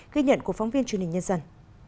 ghi nhận của phóng viên truyền hình nhân dân